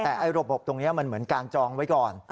แต่ระบบตรงนี้มันเหมือนการจองไว้ก่อน